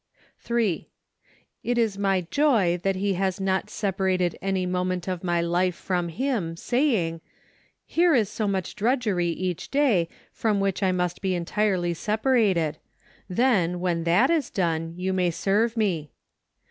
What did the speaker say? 38 APRIL. 39 3. It is my joy that He has not separated any moment of mv life from Him, saying, •• Here is so much drudgery each day, from which I must be entirely separated; then, when that is done, you may serve me."